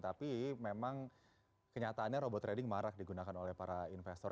tapi memang kenyataannya robot trading marak digunakan oleh para investor